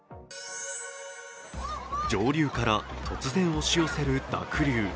上流から突然押し寄せる濁流。